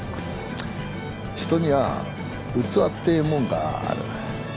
人には器っていうもんがある。